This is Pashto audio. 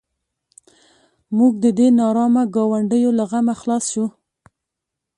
موږ د دې نارامه ګاونډیو له غمه خلاص شوو.